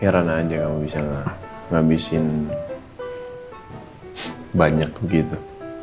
hiraan aja kamu bisa ngabisin banyak gitu